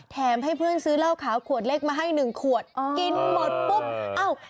แถมให้เพื่อนซื้อเหล้าขาวขวดเล็กมาให้หนึ่งขวดกินหมดปุ๊บเอ้า